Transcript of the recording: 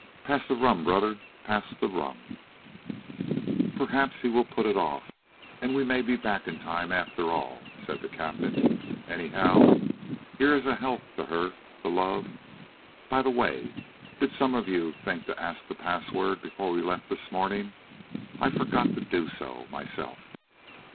pass the rum, brother, pass the rum." "Perhaps he will put it off and we may be back in time, after all," said the captain. "Anyhow, here is a health to her, the love. By the way, did some of you think to ask the password before we left this morning? I forgot to do so, myself."